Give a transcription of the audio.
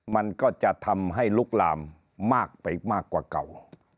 มันก็จะทำให้ลุกลามมากไปมากกว่าเก่า